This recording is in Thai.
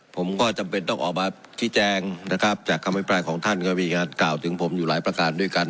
ผมก็จำเป็นต้องออกมาชี้แจงนะครับจากคำพิปรายของท่านก็มีการกล่าวถึงผมอยู่หลายประการด้วยกัน